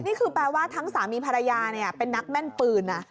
นี่คือแปลว่าทั้งสามีภรรยาเป็นนักแม่นปืนนะ